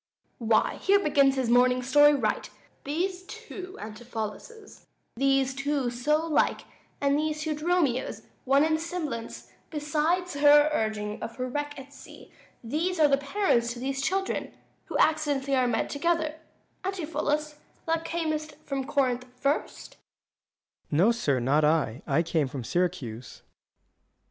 Duke. Why, here begins his morning story right: 355 These two Antipholuses, these two so like, And these two Dromios, one in semblance, Besides her urging of her wreck at sea, These are the parents to these children, Which accidentally are met together. 360 Antipholus, thou camest from Corinth first?